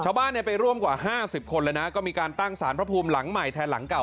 ชาวบ้านไปร่วมกว่า๕๐คนเลยนะก็มีการตั้งสารพระภูมิหลังใหม่แทนหลังเก่า